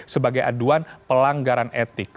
sebagai aduan pelanggaran etik